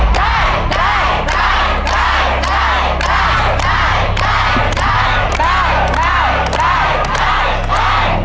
เด็กทำเวลาค่ะ